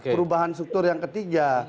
perubahan struktur yang ketiga